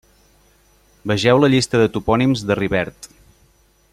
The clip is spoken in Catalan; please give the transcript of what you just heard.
Vegeu la llista de Topònims de Rivert.